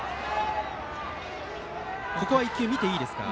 ここは１球見ていいですか。